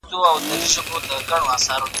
د قدرت سرچینه باید روښانه وي.